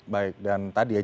baik dan tadi ya